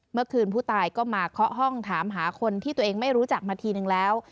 เมื่อคืนผู้ตายก็มาเคาะห้องถามหาคนที่ตัวเองไม่รู้จักมาทีนึงแล้ว